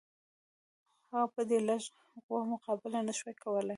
هغه په دې لږه قوه مقابله نه شوای کولای.